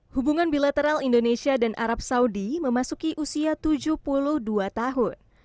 hubungan bilateral indonesia dan arab saudi memasuki usia tujuh puluh dua tahun